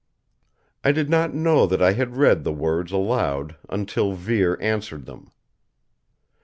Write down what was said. I did not know that I had read the words aloud until Vere answered them.